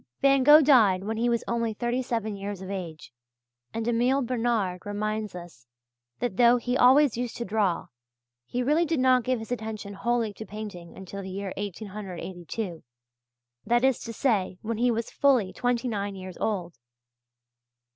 Van Gogh died when he was only thirty seven years of age, and Emile Bernard reminds us that though he always used to draw, he really did not give his attention wholly to painting until the year 1882 that is to say, when he was fully twenty nine years old.